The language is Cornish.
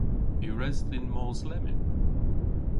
Yw res dhyn mos lemmyn?